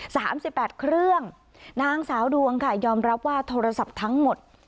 สามสิบแปดเครื่องนางสาวดวงค่ะยอมรับว่าโทรศัพท์ทั้งหมด